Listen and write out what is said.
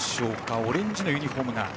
オレンジのユニホーム。